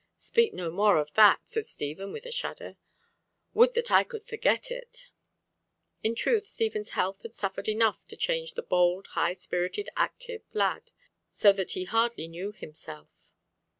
"Speak no more of that!" said Stephen, with a shudder. "Would that I could forget it!" In truth Stephen's health had suffered enough to change the bold, high spirited, active lad, so that he hardly knew himself.